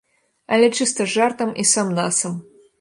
Але чыста жартам і сам-насам.